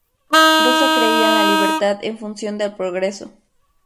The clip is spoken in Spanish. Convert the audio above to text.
Rosa creía en la libertad en función del progreso.